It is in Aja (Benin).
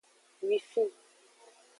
Wifi.